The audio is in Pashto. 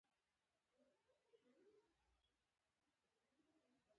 د نیاګرا ابشار ډیر سیلانیان لري.